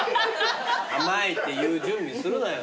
「あまい！」って言う準備するなよ。